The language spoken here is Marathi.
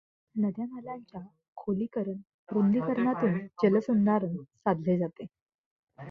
नद्यानाल्यांच्या खोलीकरण, रुंदीकरणातून जलसंधारण साधले जाते.